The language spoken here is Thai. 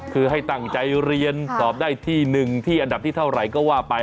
คือให้ตั้งใจเรียนสอบได้ที่หนึ่งที่อันดับที่เท่าไหร่ก็ว่าไป